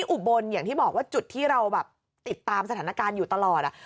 อุบลอย่างที่บอกว่าจุดที่เราแบบติดตามสถานการณ์อยู่ตลอด